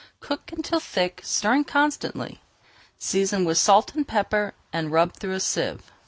Cook until thick, stirring constantly. Season with salt and pepper and rub through a sieve.